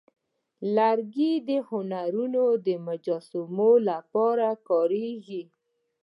لرګی د هنرمندانو د مجسمو لپاره کارېږي.